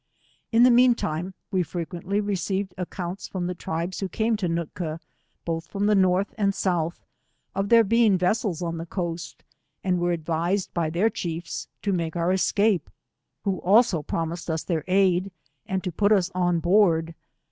K 102 In the mean time, we frequently received ac counts from the tribes who came to Nootka, both from the North and South, of there being vessels on the coast, and were advised by their chiefs to make our escape, who also promised us their aid, and to put us on board.